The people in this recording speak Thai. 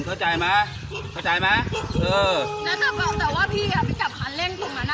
พี่จะไม่ทราบขายเล่นตรงนั้นนะ